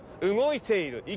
動いている！